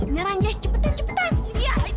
ngerang jess cepetan cepetan